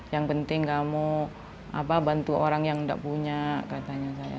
yang penting kamu bantu orang yang tidak punya katanya saya